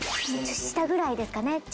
下ぐらいですかね。